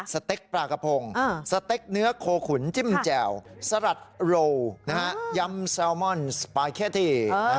สเต็กปลากระพงสเต็กเนื้อโคขุนจิ้มแจ่วสลัดโรยำแซลมอนสปาเกตตี้